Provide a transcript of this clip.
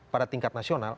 pada tingkat nasional